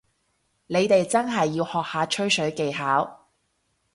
你哋真係要學下吹水技巧